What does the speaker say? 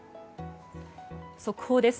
速報です。